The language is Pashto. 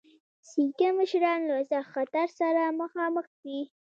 سیکه مشران له سخت خطر سره مخامخ دي.